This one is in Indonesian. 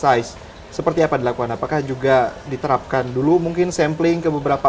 size seperti apa dilakukan apakah juga diterapkan dulu mungkin sampling ke beberapa